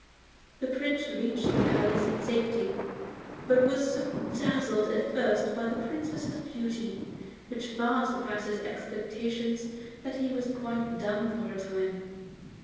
The Prince reached the palace in safety, but was so dazzled at first by the Princess's beauty, which far surpassed his expectations, that he was quite dumb for a time.